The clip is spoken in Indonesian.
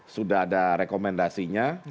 sudah ada rekomendasinya